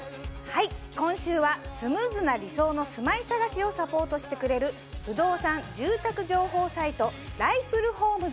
今週はスムーズな理想の住まい探しをサポートしてくれる不動産住宅情報サイトＬＩＦＵＬＬＨＯＭＥ’Ｓです。